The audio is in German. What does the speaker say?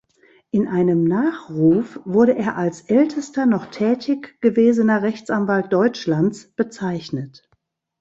In einem Nachruf wurde er als "ältester noch tätig gewesener Rechtsanwalt Deutschlands" bezeichnet.